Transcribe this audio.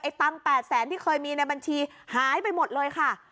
ตังค์๘แสนที่เคยมีในบัญชีหายไปหมดเลยค่ะ